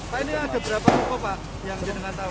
pak ini ada berapa buko yang dia dengar tahu